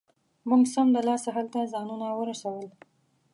موږ سمدلاسه هلته ځانونه ورسول.